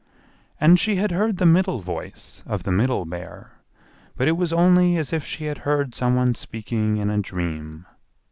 And she had heard the middle voice of the Middle Bear, but it was only as if she had heard some one speaking in a dream.